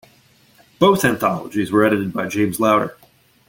Both anthologies were edited by James Lowder.